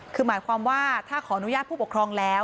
คือหมายความว่าถ้าขออนุญาตผู้ปกครองแล้ว